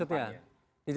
jadi gini maksudnya